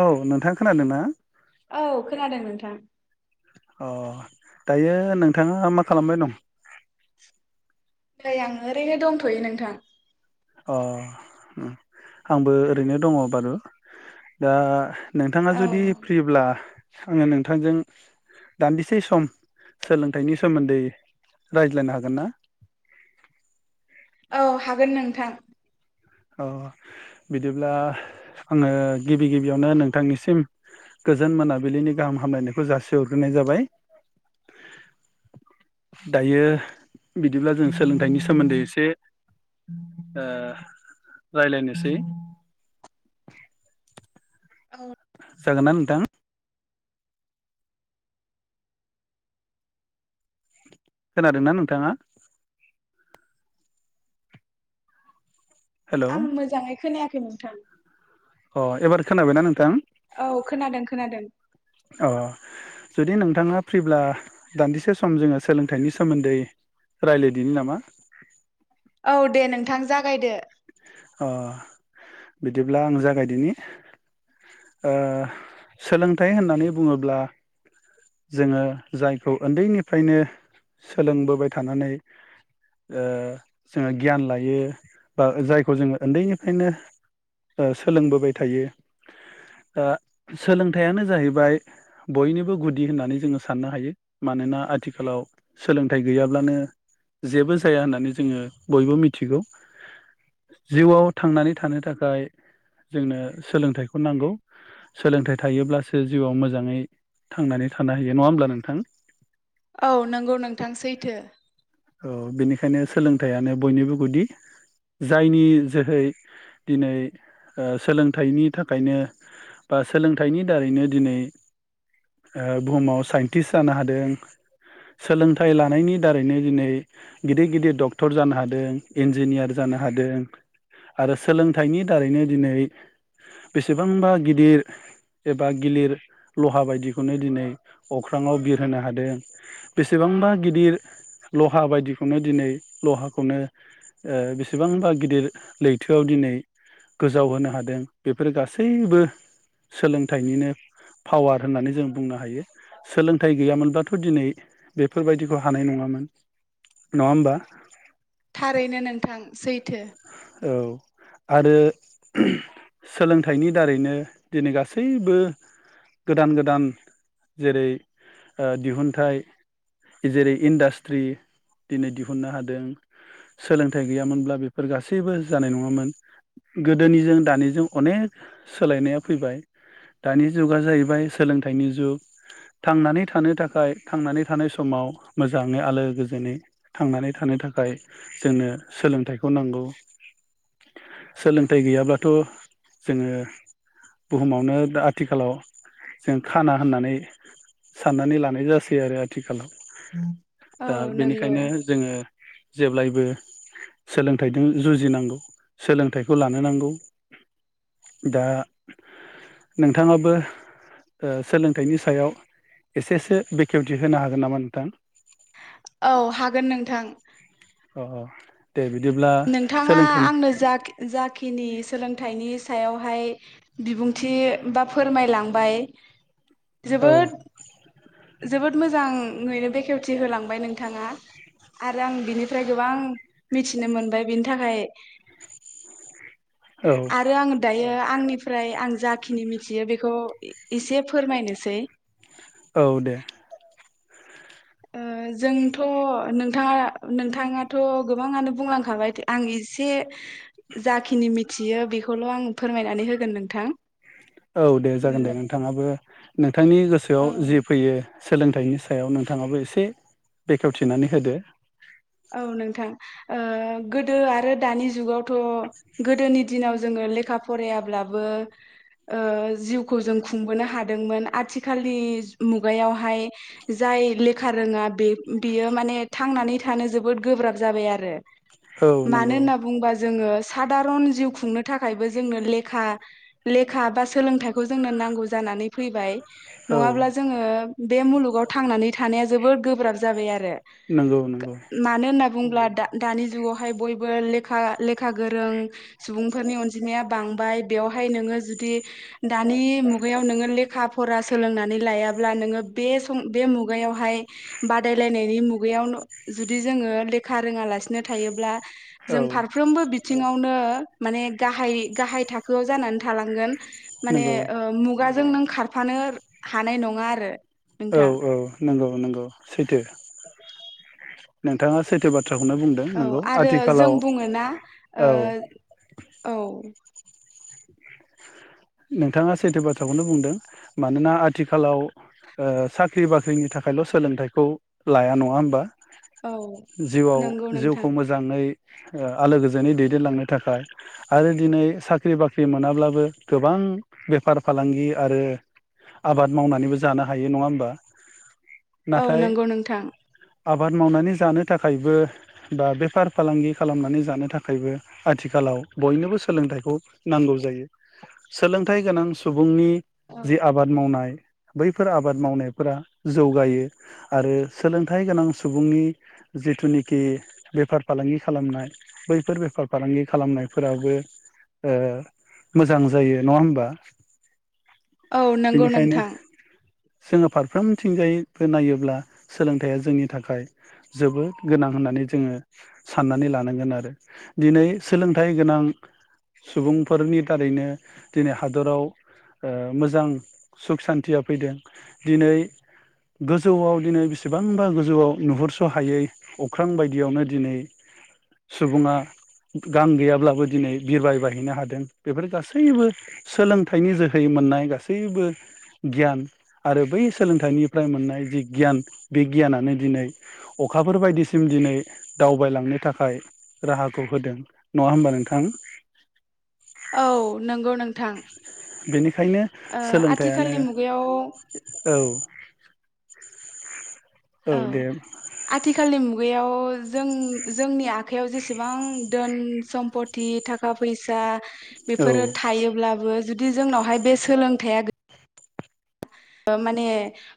औ नोंथां खोनादों ना खोनादों नोंथां। अ दायो नोंथाङा मा खालामबाय दं? नैआं ओरैनो दंथयो नोंथां। अ आंबो ओरैनो दङ बारु दा नोंथाङा औ जुदि फ्रिब्ला? आङो नोंथांजों दान्दिसे सम सोलोंथाइनि सोमोन्दै रायज्लायनो हागोन ना? औ हागोन नोंथां। अ बिदिब्ला आङो गिबि गिबियावनो नोंथांनिसिम गोजोन मोनाबिलिनि गाहाम हामलायनायखौ जासिहरग्रोनाय जाबाय दायो बिदिब्ला जों सोलोंथाइनि सोमोन्दै एसे ओ रायलायनोसै औ जागोनना नोंथां? खोनादोंना नोंथाङा? हेलौ आं मोजाङै खोनाया [unintelligible] नोथां अ एबार खोनाबायना नोंथां। औ खोनादों खोनादों अ जुदि नोंथाङा फ्रिब्ला दान्दिसे सम जोङो सोलोंथाइनि सोमोन्दै रायलायदिनो नामा? औ दे नोंथां जागायदो। अ बिदिब्ला आं जागायदिनि ओ सोलोंथाइ होननानै बुङोब्ला जोङो जायखौ उन्दैनिफ्रायनो सोलोंबोबाय थानानै ओ जोङो गियान लायो। ओ जायखौ जोङो उन्दैनिफ्रायनो ओ सोलोंबोबाय थायो ओ सोलोंथाइयानो जाहैबाय बयनिबो गुदि होननानै जोङो साननो हायो मानोना आथिखालाव सोलोंथाइ गैयाब्लानो जेबो जाया होननानै जोङो बयबो मिथिगौ। जिउआव थांनानै थानो थाखाय जोंनो सोलोंथाइखौ नांगौ सोलोंथाइ थायोब्लासो जिउआव मोजाङै थांनानै थानो हायो नङा होमब्ला नोंथां। औ नंगौ नोंथां सैथो औ बेनिखायनो सोलोंथाइयानो बयनिबो गुदि जायनि जोहै दिनै ओ सोलोंथाइनि थाखायनो बा सोलोंथाइनि दारैनो दिनै ओ बुहुमाव साइन्टिस्ट जानो हादों सोलोंथाइ लानायनि दारैनो दिनै। गिदिर गिदिर डक्ट क्टर जानो हादों इन्जिनियार जानो हा हादों आरो सोलोंथाइनि दारैनो दिनै बेसेबांबा गिदिर एबा गिलिर लहा बायदिखौनो दिनै अख्राङाव बिरहोनो हादों बेसेबांबा गिदिर लहा बायदिखौनो दिनै लहाखौनो ओ बेसेबांबा गिदिर लैथोआव दिनै गोजाव होनो हादों बेफोरो गासैबो सोलोंथाइनिनो पावार होननानै जों बुंनो हायो सोलोंथाइ गैयामोनब्लाथ दिनै बेफोरबायदिखौ हानाय नङामोन। नङा होमबा? थारैनो नोंथां सैथ औ आरो सोलोंथाइनि दारैनो दिनै गासैबो गोदान गोदान जेरै ओ दिहुनथाइ जेरै इन्डास्ट्रि दिनै दिहुननो हादों सोलोंथाइ गैयामोनब्ला बेफ फोर गासैबो जानाय नङामोन गोदोनिजों दानिजों अनेक सोलायनाया फैबाय दानि जुगा जाहैबाय सोलोंथाइनि जुग थांनानै थानो थाखाय थांनानै थानाय समाव मोजाङै आलो गोजोनै थांनानै थानो थाखाय जोंनो सोलोंथाइ खौ नांगौ सोलोंथाइ गैयाब्लाथ जोङो बुहुमावनो दा आथिखालाव जों खाना होननानै साननानै लानाय जासै आरो आथिखालाव औ दा नंगौ। बेनिखायनो जोङो जेब्लायबो सोलोंथाइदों जुजिनांगौ सोलोंथाइखौ लानो नांगौ दा नोंथाङाबो ओ सोलोंथाइनि सायाव एसेसो बेखेवथि होनो हागोन नामा नोंथां? औ हागोन नोंथां अ दे बिदिब्ला नोंथाङा सोलोंथाइनि आंनो जा-जाखिनि सोलोंथाइनि सायावहाय बिबुंथि बा फोरमायलांबाय औ जोबोद जोबोद मोजाङैनो बेखेवथि होलांबाय नोंथाङा आरो आं बिनिफ्राय गोबां मिथि थिनो मोनबाय बिनि थाखाय औ आरो आं दायो आंनिफ्राय आंज जाखिनि मिथियो बेखौ ऐ-एसे फोरमायनोसै औ दे ओ जोंथ' नोंथाङा नोंथाङाथ गोबाङानो बुंलांखाबाय आं एसे जाखिनि मिथियो बेखौल आं फोरमायनानै होगोन नोंथां। औ दे जागोन दे नोंथाङाबो नोंथांनि औ गोसोआव जि फैयो सोलोंथाइनि सायाव नोंथाङाबो एसे बेखेवथिनानै होदो। औ नोंथां ओ गोदो आरो दानि जुगाव थ गोदोनि दिनाव जोङो लेखा फरायाब्लाबो ओ जिउखौ जों खुंबोनो हादोंमोन आथिखालनि मुगायावहाइ जाय लेखा रोङा बे-बेयो माने थांनानै थानो जोबोद गोब्राब जाबाय आरो औ मानो नंगौ होनना बुंबा जोङो सादारन जिउ खुंनो थाखायबो जोंनो लेखा लेखा बा सोलोंथाइखौ जोंनो नांगौ जानानै फैबाय। औ नङाब्ला जोङो बे मुलुगाव थांनानै थानाया जोबोद गोब्राब जाबाय आरो नोंगौ नोंगौ मानो होनना बुंब्ला दा-दानि जुगावहाय बयबो लेखा लेखा गोरों सुबुंफोरनि अनजि जिमाया बांबाय बेयावहाय नोङो जुदि दानि मुगायाव नोङो लेखा फरा सोलोंनानै लायाब्ला नोङो बे सम बे मुगायावहाय बादायलाइनायनि मुगायाव न जुदि जोङो लेखा रोङालासिनो थायोब्ला जों औ फारफ्रोमबो बिथिङाव नो माने गाहाय गाहाय थाखोआव जानानै थालांगोन। माने नंगौ ओ मुगाजों नों खारफानो हानाय नङा आरो औ नोंथां औ नंगौ नंगौ सैथो नोंथाङा सैथो बा औ आरो जों बुङोना औ ओ औ नोंथाङा सैथो बाथ्राखौनो बुंदों। मानोना आथिखालाव ओ साख्रि बाख्रिनि थाखायल सोलोंथाइखौ लाया नङा होमबा? औ जिउआव नंगौ नोंथां जिउखौ मोजाङै ओ आलो गोजोनै दैदेनलांनो थाखाय आरो दिनै साख्रि बाख्रि मोनाब्लाबो गोबां बेफार फालांगि आरो आबाद मावनानैबो जानो हायो नङा होमबा? औ नाथाय नंगौ नोंथां आबाद मावनानै जानो थाखायबो बा बेफार फालांगि खालामनानै जानो थाखायबो आथिखालाव बयनोबो सोलोंथाइखौ नांगौ जायो। सोलोंथाइ गोनां सु बुंनि औ जि आबाद मावनाय बैफोर आबाद मावनायफोरा जौगायो आरो सोलोंथाइ गोनां सुबुंनि जिथुनिखि बेफार फालांगि खालामनाय बैफोर बेफार फालांगि खालामनायफोराबो ओ मोजां जायो नङा होमबा? औ नंगौ बेनिखायनो नोंथां। जोङो फारफ्रोमथिंजायैबो नायोब्ला सोलोंथाइया जोंनि थाखाय जोबोद गोनां होननानै जोङो साननानै लानांगोन आरो दिनै सोलोंथाइ गोनां सुबुंफोरनि थारैनो दिनै हादराव ओ मोजां सुख सान्थिया फैदों दिनै गोजौआव दिनै बेसेबांबा गोजौआव नुहुरस हायै अख्रां बायदियावनो दिनै सुबुङा गां गैयाब्लाबो दिनै बिरबायबायहैनो हादों। बेफोर गासैबो सोलोंथाइनि जोहै मोननाय गासैबो गियान आरो बै सोलोंथाइनिफ्राय मोननाय जि गियान बे गियानानो दिनै अखाफोर बायदिसिम दिनै दावबायलांनो थाखाय राहाखौ होदों नङा होमबा नोंथां? औ नंगौ नोंथां बेनिखायनो ओ सोलोंथाइयानो आथिखालनि मुगायाव औ [unintelligible] औ आथिखालनि मु गयाव जों जोंनि आखाइयाव जेसेबां दोन सम्फथि थाखा फैसा औ बेफोरो थायोब्लाबो जुदि जोंनावहाय बे सोलोंथाइया माने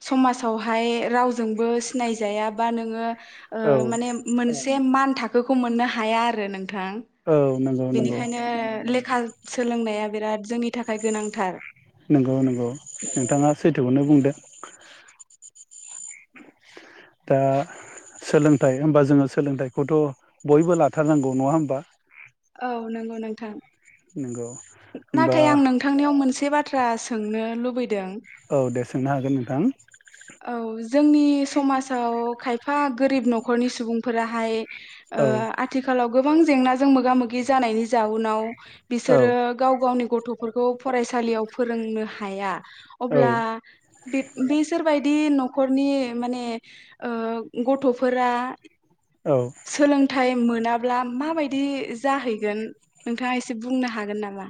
समाजावहाय रावजोंबो सिनायजायाबा नोङो। औ ओ माने मोनसे मान थाखोखौ मोननो हाया आरो नों थां औ नंगौ नंगौ बेनिखायनो [unintelligible] सोलोंनाया बिराद जोंनि थाखाय गोनांथार। नंगौ नंगौ नोंथाङा सै थोखौनो बुंदों। [unintelligible] दा सोलोंथाइ ओमबा जोङो सोलोंथाइखौथ बयबो लाथारनांगौ नङा होमबा? औ नंगौ नोंथां। [unintelligible] होमबा नाथाय आं नोंथांनियाव मोनसे बाथ्रा सोंनो लुबैदों औ दे सोंनो हागोन नोंथां। औ। जोंनि समाजाव खायफा गोरिब नखरनि सुबुंफोराहाय ओ औ आथिखालाव गोबां जेंनाजों मोगा मोगि जानायनि जाउनाव औ बिसोरो गाव गावनि गथफोरखौ फरायसालियाव फोरोंनो हाया। औ अब्ला बेब बेस सोरबायदि नखरनि माने ओ गथफोरा औ थायेम मोनाब्ला माबायदि जाहैगोन नोंथाङा एसे बुंनो हागोन नामा?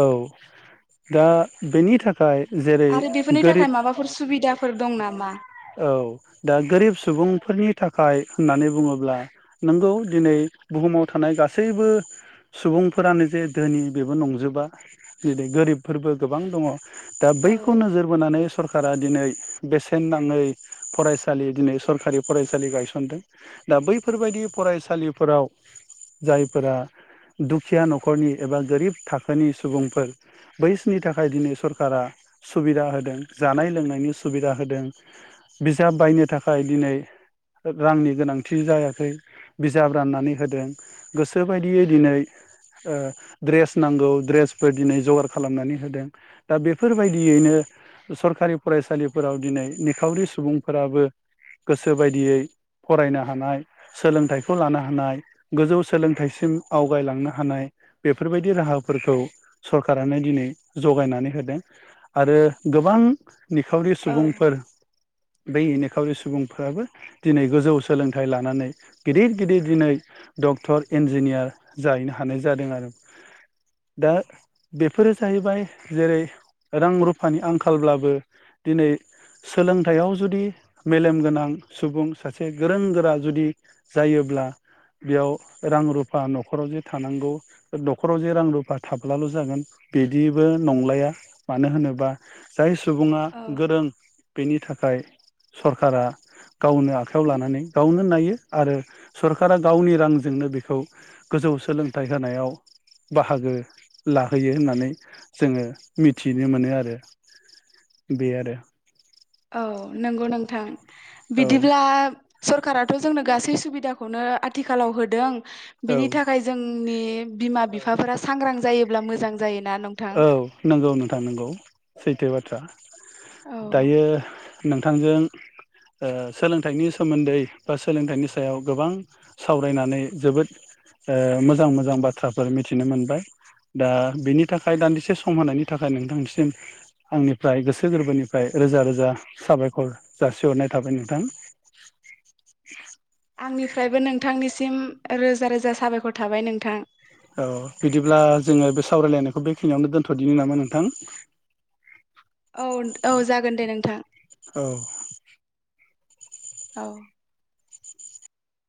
औ दा बेनि थाखाय जेरै गोरिब बिदाफोर दं नामा? औ दा गोरिब सुबुंफोरनि था खाय होननानै बुङोब्ला नोंगौ दिनै बुहुमाव थानाय गासैबो सुबुंफोरानो जे धोनि बेबो नंजोबा जेरै गोरिबफोरबो गोबां दङ दा औ बैखौ नोजोर बोनानै सरकारा दिनै बेसेन नां यै फरायसालि दिनै सरखारि फरायसालि गायसनदों दा बैफोरबायदि फरायसालिफोराव जायफोरा दुखिया नखरनि एबा गोरिब थाखोनि सुबुंफोर बैसिनि थाखाय दिनै सरकारा सुबिदा होदों जानाय लोंनायनि सुबिदा होदों बिजाब बायनो थाखाय दिनै रांनि गोनांथि जायाखै बिजाब राननानै होदों गोसोबायदियै दिनै ओ ड्रेस नांगौ ड्रेसफोर दिनै जगार खालामनानै होदों दा बेफोर बायदियैनो सरखारि फरायसालिफोराव दिनै निखावरि सुबुंफोराबो गोसो बायदियै फरायनो हानाय सोलोंथाइखौ लानो हानाय गोजौ सोलोंथाइसिम आवगायलांनो हानाय बेफोरबायदि राहाफोरखौ सरखारानो दिनै जगायनानै होदों आरो गोबां निखावरि सुबुंफोर बै निखावरि सुबुंफोराबो दिनै गोजौ सोलोंथाइ लानानै गिदिर गिदिर दिनै डक्टर इन्जिनियार जाहैनो हानाय जादों आरो दा बेफोरो जाहैबाय जेरै रां रुफानि आंखालब्लाबो दिनै सोलोंथाइयाव जुदि मेलेमगोनां सुबुं सासे गोरों गोरा जुदि जायोब्ला बेयाव रां रुफा नख'राव जे थानांगौ नख'राव जे रां रुफा थाब्लाल' जागोन बिदिबो नंलाया मानो होनोबा जाय सु सुबुङा गोरों थाखाय सरखारा गावनो आखायाव लानानै गावनो नायो आरो सरकारा गावनि रांजोंनो बेखौ गोजौ सोलोंथाइ होनायाव बाहागो लाहोयो होननानै जोङो मिथिनो मोनो आरो बे आरो औ नोंगौ नोंथां औ बिदिब्ला सरकाराथ' जोंनो गासै सुबिदाखौनो आथिखालाव होदों औ बिनि थाखाय जोंनि बिमा बिफाफोरा सांग्रां जायोब्ला मोजां जायो औ नंगौ नोंथां नंगौ सैथो बाथ्रा। औ दायो नोंथांजों ओ सोलोंथाइनि सोमोन्दै बा सोलोंथाइनि सायाव गोबां सावरायनानै जोबोद ओ मोजां मोजां बाथ्राफोर मिथिनो मोनबाय दा बिनि नि थाखाय दान्दिसे सम होनायनि थाखाय नोंथांनिसिम आंनिफ्राय गोसो गोरबोनिफ्राय रोजा रोजा साबायखर जासिहरनाय थाबाय नोंथां आंनिफ्रायबो नोंथांनिसिम रोजा रोजा साबायखर थाबाय नोंथां औ बिदिब्ला जोङो बे सावरायलायनायखौ बेखिनियावनो दोन्थदिनि नामा नोंथां? औ औ जागोन दे नोंथां। औ औ